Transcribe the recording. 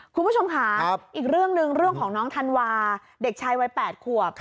คุณผู้ชมค่ะอีกเรื่องหนึ่งเรื่องของน้องธันวาเด็กชายวัย๘ขวบ